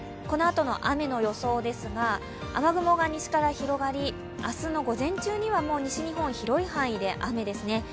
このあとの雨の予想ですが雨雲が西から広がり明日の午前中にはもう西日本広い範囲で雨ですね。